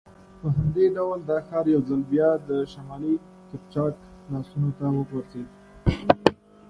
However, the city was lost once again to the northern Kipchaks.